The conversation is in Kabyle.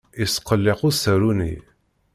Yesqelliq usaru-nni.